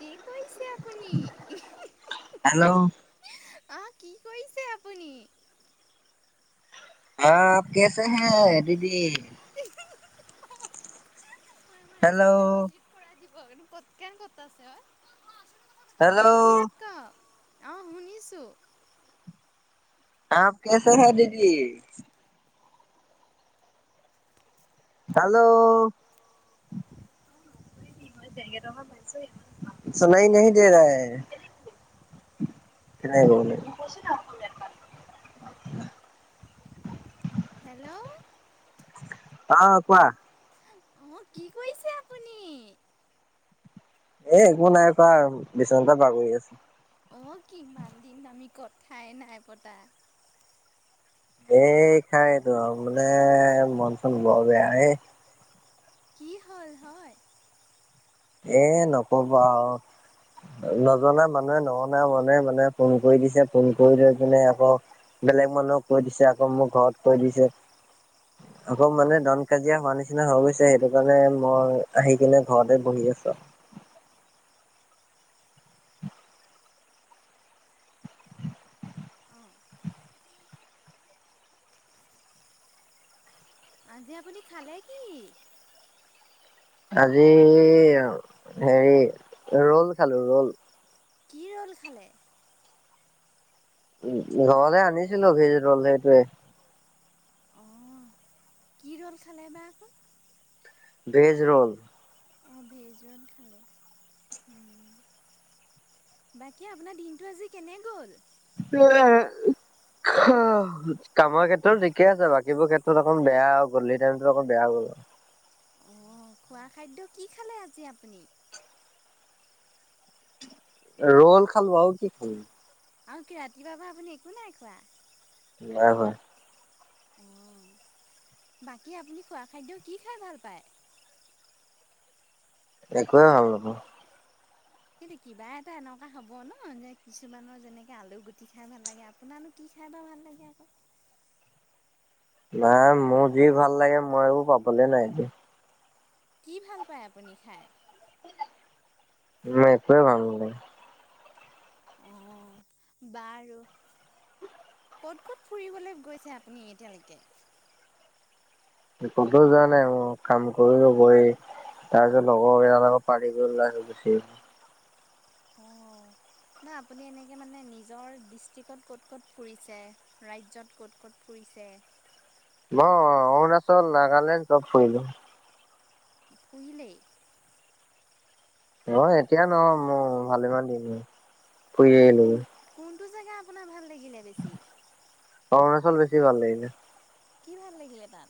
কি কৰিছে হেল্ল' আহ কি কৰিছে আপুনি আপ কেছে হে দিদি [inaudible] হেল্ল' ক'ত কেন ক'ত আছে ঐ অসমীয়াত ক অ শুনিছোঁ আপ কেছে হে দিদি হেল্ল' চুনাই নাহি দে ৰাহা হে [unintelligible] [inaudible] হেল্ল' অ কোৱা মো কি কৰিছে আপুনি এ একো নাই কৰা বিছনাতে বাগৰি আছোঁ অ কিমান দিন আমি কথাই নাই পতা এই খাইতো মানে মন চন বৰ বেয়া কি হল হয় এ নকবা নজনা মানুহে নহনা মানুহে মানে ফোন কৰি দিছে ফোন কৰি লৈ পিনে আকৌ বেলেগ মানুহক কৈ দিছে আকৌ মোক ঘৰত কৈ দিছে অকৌ মানে দন কাজিয়া হোৱা নিচিনা হৈ গৈছে সেইটো কাৰণে মই আহি কিনে ঘৰতে বহি আছ অ আজি আপুনি খালে কি আজি হেৰি ৰল খালো ৰল কি ৰ'ল খালে উ ঘৰলে আনিছিলো ভি ৰল সেইটোৱে অ কি ৰ'ল খালে বাা আকৌ ভেজ ৰোল অ ভেজ ৰোল খালে বাকী আপোনাৰ দিনটো আজি কেনে গ'ল উ অ কামৰ ক্ষেত্ৰতো ঠিকে আছে বাকীবোৰ ক্ষেত্ৰত অকণ বেয়া আৰু গধূলি টাইমতো অকণ বেয়া গ'ল [unintelligible] অ', খোৱা খাদ্য কি খালে আজি আপুনি? ৰোল খালোঁ আৰু কি খালোঁ। আৰু কি ৰাতিপাবা আপুনি একো নাই খোৱা? নাই ভয়। অ', বাকী আপুনি খোৱা খাদ্য কি খাই ভাল পায়? একোৱে ভাল নাপাওঁ। কিন্তু কিবা এটা এনেকুৱা হ'ব ন' যে কিছুমানৰ যেনেকে আলু গুটি খাই ভাল লাগে আপোনাৰনো কি। খাই বা ভাল লাগে আকৌ। নাই মোৰ যি ভাল লাগে মইও পাবলৈ নাই। কি ভাল পায় আপুনি খাই? উম, একোৱে ভাল নাপাওঁ। অ', বাৰু। ক'ত ক'ত ফুৰিবলৈ গৈছে আপুনি এতিয়ালৈকে? ক'তোৱে যোৱা নাই, মোৰ কাম কৰিবই তাৰ পিছত লগৰ কেইজনান আকৌ পাৰি গৈ ওলাইছো গুচি অহ। অ'। না আপুনি এনেকে মানে নিজৰ ডিষ্ট্ৰিকত ক'ত ক'ত ফুৰিছে? ৰাজ্যত ক'ত ক'ত ফুৰি ছে। মই অৰুণাচল, নাগালেণ্ড চব ফুৰিলো। ফুৰিলেই। অ', এতিয়া ন' মই ভালেমান দিম ফুৰি আহিলোঁ। টো জেগা আপোনাৰ ভাল অৰুণাচল বেছি ভাল লাগিলে। কি ভাল লাগিলে তাত?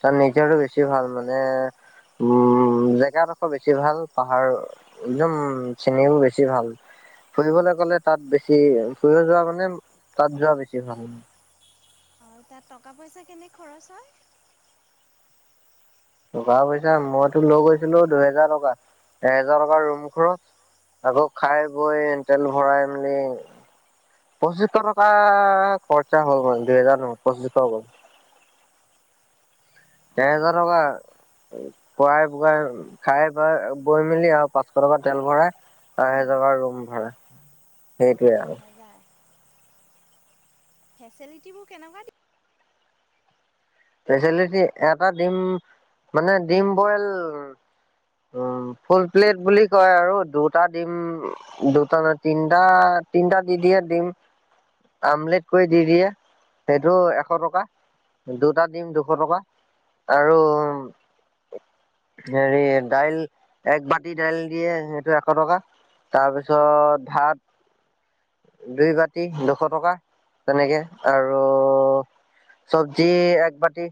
তাৰ নেছাৰটো বেছি ভাল মানে উম জেগাডোখৰ বেছি ভাল পাহাৰ একদম চেনেও বেছি ভাল। ফুৰিবলৈ গ'লে তাত বেছি ফুৰিব যোৱা মানে তাত যোৱা বেছি ভাল। অ তাত টকা পইচা কেনে খৰচ হয়? টকা পইচা মইতো লৈ গৈছিলো দুহেজাৰ টকা এহেজাৰ টকা ৰুম খৰচ আকৌ খাই বৈ তেল ভৰাই মেলি পঁচিশৰ টকা খৰচা হ'ল মানে দুহেজাৰ নহ পঁচিছশ গ'ল। এ হেজাৰ টকা খুৱাই বৈৱাই খাই পাই বৈ মেলি আৰু পাঁচশ টকা তেল ভৰাই এ হেজাৰ টকা ৰুম ভাড়া সেইটোৱে আও ফেচেলিটিবোৰ কেনেকুৱা দি ফেচিলিটী এটা ডিম মানে ডিম বইল উম ফুল প্লেট বুলি কয় আৰু দুটা দিম দুটা নহ তিনটা তিনিটা দি দিয়ে দিম। আমলেট কৰি দি দিয়ে সেইটো এশ টকা দুত টা দিম দুশ টকা আৰু হেৰি দাইল এক বাতি দাইল দিয়ে সেইটো এশ টকা তাৰপিছত ভাত দুই বাতি দুশ টকা তেনেকে আৰু চব্জি এক বাটি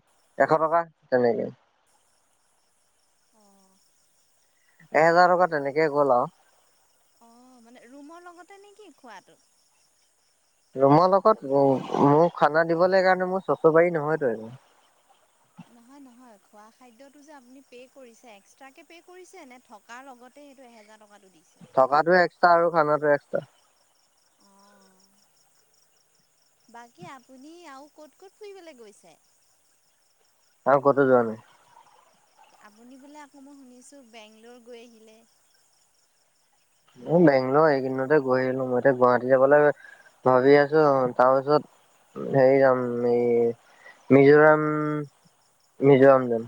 এশ টকা তেনেকে। এহেজাৰ টকা তেনেকে গ'ল আও। অ মানে ৰুমৰ লগতে নেকি খোৱাটো ৰুমৰ লগত মোক খানা দিবলৈ কাৰণে মোৰ চচবাৰী নহয়তো নহয় নহয় খোৱা খাদ্যটো যে আপুনি পে' কৰিছে এক্স্ৰাকে পে' কৰিছে নে থকাৰতে টকাটো দি থকাতটো এক্সট্ৰা আৰু খানাটো এক্সট্ৰা অ' বাকী আপুনি আৰু ক'ত ক'ত ফুৰিবলৈ গৈছে? আৰু কতো যোৱা নাই আপুনি বোলে আকৌ মই শুনিছোঁ বেংগলৰ গৈ আহিলে। অ' বেংগলৰ এইকদিনতে গৈহিলো মই এতিয়া গুৱাহাটী যাবলৈ ভাবি আছো তাৰপিছত হেৰি যাম এই মিজোৰাম। মিজোৰাম যাম।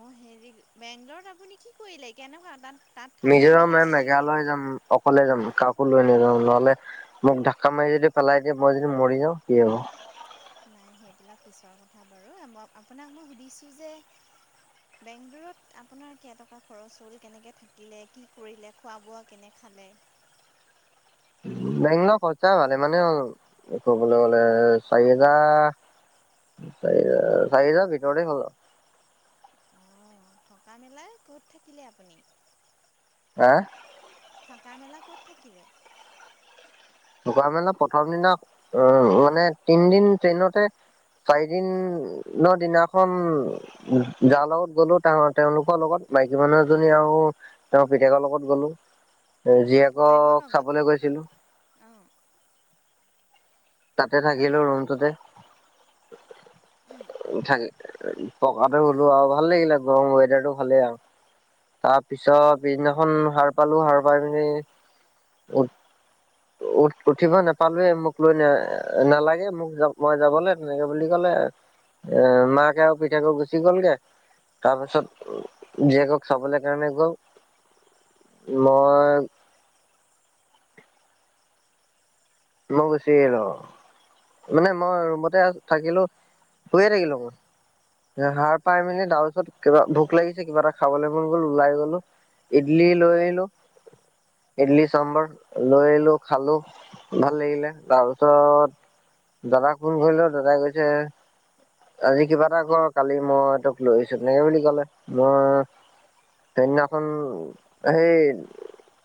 অ' হেৰি বেংগলৰত আপুনি কি কৰিলে কেনেকুৱা তাত মিজোৰাম মেঘালয় যাম অকলে যাম কাকো কলৈ নাযাওঁ নহলে মোক ঢাককা মাৰি যদি পেলাই দিয়ে মই যদি মৰি যাওঁ কি হব। নাই সেইবিলাক পিছৰ কথা বাৰুই আপোনাক মই সুধিছো যে। বেংলৰ ত আপোনাৰ ক কা খৰচ হল কেনেকে থাকিলে কি কৰিলে খোৱা বোৱা কেনে খা খালে বেংগলৰত খৰচা ভালে মানে ক'বলৈ গ'লে চাৰি হোজাৰ চাৰি চাৰিহাজাৰ ভিতৰতে হ'ল অ' থকা মেলাই ক'ত থাকিলে আপুনি। হা থকা মেলা ক'ত থাকিলে। মেলা প্ৰথম দিনা উ মানে তিনদিন ট্ৰেইনতে। চাৰিদিনৰনৰ দিনাখন যাৰ লগত গলো তেওঁলোকৰ লগত। মাইকী মানুহ এজনী আৰু তেওঁৰ পিতেকৰ লগত গ'লো। এ জীয়েকক চাবলৈ গৈছিলো। তাতে থাকিলো ৰমটোতে। উম। থাকে পকাটো হলো আৰু ভাল লাগিলে গৰম ৱেডাৰটো ভালেই আৰু। তাৰপিছত পিছদিনাখন সাৰ পালো সাৰ পাই পিনি উ উ উঠিব নাপালোৱে মোক লৈ ন নালাগে মোক মই যাবলৈ তেনেকে বুলি ক'লে। এ মাকে আৰু পিটেকে গুচি গ'লগে তাৰ পাছত জীয়েকক চাবলৈ কাৰণে গল। মই। মই গুচি আহিলোঁ মানে মই ৰুমতে থাকিলো শুইয়ে থাকিলো মই সাৰ পাই মেলি তাৰ পিছত কিবা ভোক লাগিছে কিবা এটা খাবলৈ মন গ'ল ওলাই গলো। ইডলি লৈলো ইডলি চাম্বৰ লৈলো খালো। ভাল লাগিলে তাৰপিছত দাদাক ফোন কৰিলেো দাদাই গৈছে। আজি কিবা এটা কৰ কালি মই তোক লৈছো নে বুলি কলে। ম সেইদিনাখন সেই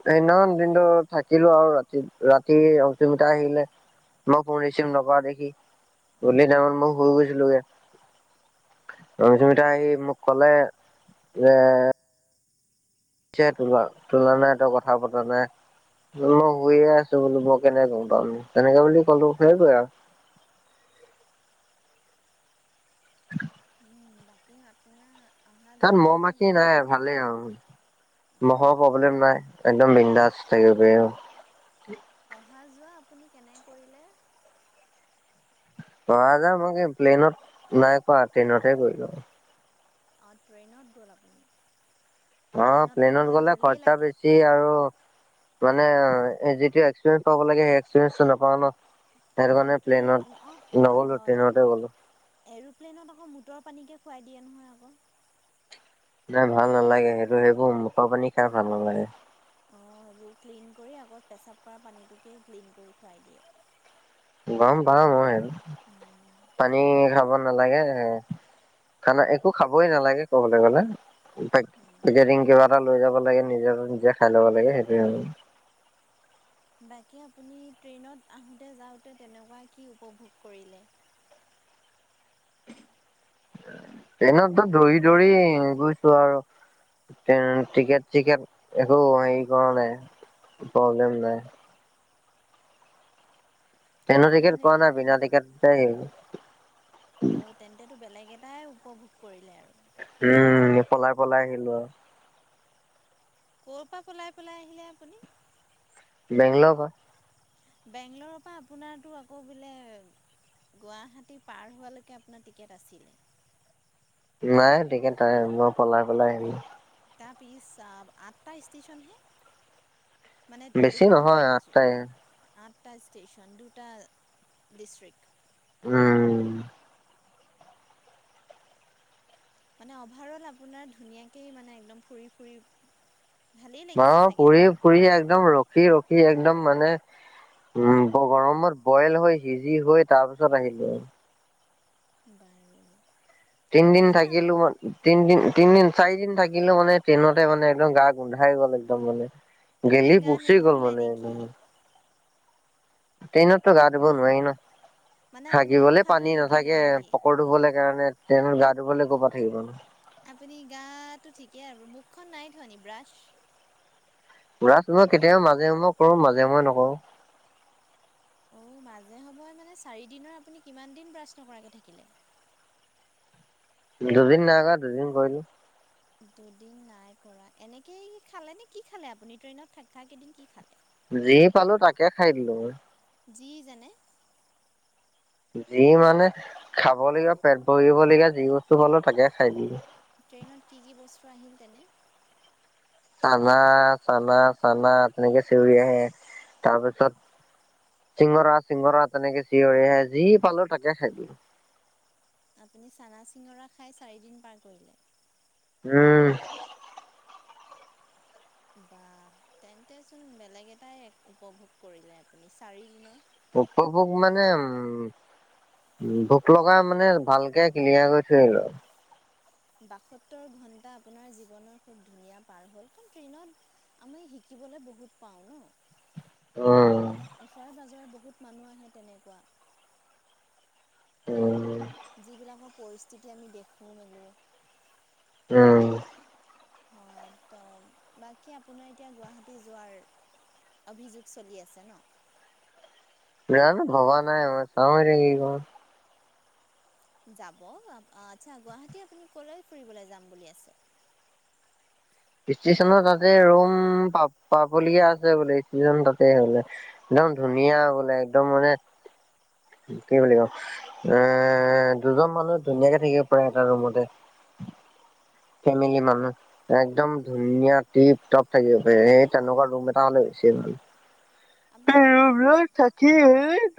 সেদিনাখন দিনটো থাকিলো আৰু ৰাতি ৰাতি অ [unintelligible] আহিলে মই ফোন ৰিচিভ নকৰা দেখি ওনদিনাখন মই শুই গৈছিলোগে। ৰমিছমিতা আহি মোক কলে যে চে তোলা, তোলা নাই তই কথা পতা নাই। মই শুইয়ে আছো বোলো মই কেনেক গম পাম, তেনেকে বুলি কলো সেইবোৱে আও। [unintelligible] উম, বাকী আপোনাৰ? তাত, মহ মাখি নাই ভালেই আৰু। মহৰ প্ৰব্লেম নাই, একদম বিন্দাচ। থাকিব পাৰিব। অহা, যোৱা আপুনি কেনে কৰিলে? প যা মই কি প্লেইনত নাই কোৱা ট্ৰেইনতহে গৈলো অ', ট্ৰেইনত গ'ল আপুনি? অ প্লেনত গলে খৰচা বেছি আৰু মানে যেতিয়া এক্সপিৰিয়েঞ্চটো পাব লাগে, সেই এক্সপিৰিয়েঞ্চটো নাপাওঁ নহ। আৰু ট্ৰেই অ', হয়, হয়। এৰপ্লেনত আকৌ। [unintelligible] পানীকে খুৱাই দিয়ে নহয়, আকৌ। নাই ভাল নালাগে, সেইটো সেইবোৰ মতাৰৰ পানী খাই ভাল নালাগে। অ', সেইবোৰ ক্লিন কৰি আগত, পেচাপ কৰা পানীটোকে ক্লিন কৰি খুৱাই দিয়ে। গম পাওঁ মই, পানী খাব নালাগে। খানা, একো খাবই নালাগে কবলৈ গ'লে। পেক-পেকেজিং কিবা এটা লৈ যাব লাগে, নিজে নিজে খাই ল'ব লাগে সেইটো। [inaudible] বাকী আপুট্ৰেইনত আহোতোতেনেকুৱ কি উপভোগ কৰিলে [inaudible] ট্ৰেইনততো ধৰি, ধৰি গৈছো আৰু। [unintelligible] টিকেট, চিকেট একো হেৰি কৰা নাই। প্ৰব্লেম নাই। ট্ৰেইনৰ টিকেট কৰা নাই, বিনা টিকেটতে গলো। এক একেইটাই উপভোগ কৰিলে আৰু উম, পলাই পলাই আহিলো আৰু। কৰ' পৰা পলাই, পলাই আহিলে আপুনি? বেংলৰ পৰা। বেংগলৰৰ পৰা, আপোনাতো আকৌ বোলে। গুৱাহাটী পাৰ হোৱালৈকে আপোনাৰ টিকেট আছিলে। নাই তিকে তাই মই পলাই পেলাই আহিলো এটা পিছ, আ আঠটা ষ্টেচনতে? মানে, দুখন ৰাজ্য আঠ। দুটা ষ্টেচন, দুটা ডিষ্ট্ৰিক্ট। উম। মানে, অভাৰ অল আপোনাৰ ধুনীয়াকেই মানে একদম ফুৰি ফুৰি। ম পুৰি ফুৰি একদম ৰখি ৰখি একদম মানে উম, গ-গৰমত বইল হৈ, সিজি হৈ তাৰ পিছত আহিলো। বাৰু তিনিদিন থাকিলো মই তিনদিন তিনদিন চাৰিদিন থাকিল থাকিলো মানে ট্ৰেইনতে মানে একদম গা গোন্ধাই গ'ল একদম মানে গেলি, পচি গ'ল মানে একদম। ট্ৰেইনততো গা ধুব নোৱাৰি ন ভাগিবলে পানী নাথাকে পকৰ ধুব লাগ সেইকাৰণে ট্ৰেইনৰত গা ধুবৰলৈ ক'ৰ পৰা থাকিবনো আপুনি গাটো ঠিকেই আৰু মুখখন নাই থোৱা নি ব্ৰাছ। ব্ৰাছ মই কেতিয়াও মাজে সময়ে মই কৰো মাজে সময়ে নকৰো অ' মাজে সময় মানে চাৰিদিনৰ আপুনি কিমান দিন ব্ৰাছ নকৰাকৈ থাকিলে [inaudible] দুদিন নাইকৰা দুদিন কৰিলো দুদিন নাই কৰা এনেকে খালে নে কি খালে আপুনি ট্ৰেইনত থকা কেইদিন কি খালে যি পালো তাকে খাই দিলো মই। যি যেনে। যি মানে খাবলগীয়া পেট ভৰিবলগীয়া যি বস্তু পালো তাকে খাই দিবি। ট্ৰেইনত কি কি বস্তু আহিল তেনে। চানা চানা চানা তেনেকে চিউৰি আহে তাৰপিছত। চিঙৰা চিঙৰা তেনেকে চিঞৰি আহে যি পালো তাকে খাই দিলোঁ আপুনি চানা চিঙৰা খাই চাৰিদিন পাৰ কৰিলে উম বাহ, তেন্তে চোন বেলেগ এটাই উপভোগ কৰিলে আপুনি চাৰি দিনৰ। উপভোগ মানে উ উম, ভোক লগাই মানে ভালকে কিলিয়া গৈ থ আৰু [inaudible] বাসত্তৰ ঘন্টা আপোনাৰ জীৱনৰ খুব ধুনীয়া পাৰ হল কাৰ ট্ৰেইনত আমি শ শিকিবলৈ বহুত পাওঁ ন? ওচৰে পাঁজৰে বহুত মানুহ আহে তেনেকুৱা। উম। যিবিলাকৰ পৰিস্থিতি আমি দেখো মেলো। উম। হয়, ত' বাকী আপোনাৰ এতিয়া গুৱাহাটী যোৱাৰ অভিযোগ চলি আছে ন? নাজানো ভবা নাই আমই চাওঁ এ কি কৰো। [unintelligible] ষ্টচনৰ তাতে ৰোম প পাবলগীয়া আছে বোলে ষ্টচন তাতে বোলে। একদম ধুনীয়া বোলে একদম মানে। কি বুলি কম, এ দুজন মানুহ ধুনীয়াকে থাকিব পাৰে এটা ৰুমতে। [unintelligible] ফেমিলি মানুহ একদম ধুনীয়া টিপ- টপ থাকিব প এই তেনেকুৱা ৰুম এটা হ নিয় ন [inaudible] [unintelligible] প বি থাকি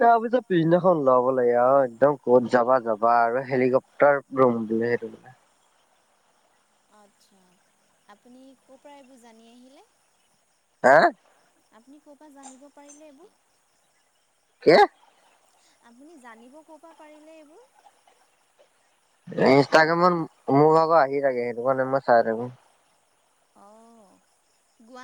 তাৰ পিছত পিছদিনাখন লব লাগ [inaudible] আহ একদম ক'ত যাবা যাবা আৰু হেলিকপ্টাৰ ৰুম বুলিিল সেইটো বানে [inaudible] আচ্ছা আপুনি ক'ৰ পৰা এইবোৰ জানি আহিলে? হাঁ আপুনি ক'ৰ পৰা জানিব পাৰিলে এইবোৰ কি? আপুনি জানিব ক'ৰপা পাৰিলে এইবোৰ ইনষ্টাগ্ৰামত মোৰ ভাগৰ আহি থাকে সেইটো কাৰণে মই চাই থাকো অ' তোমাৰ